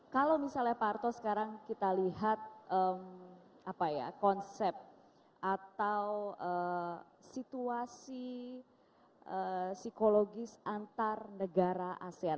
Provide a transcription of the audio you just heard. kalau misalnya pak arto sekarang kita lihat konsep atau situasi psikologis antar negara asean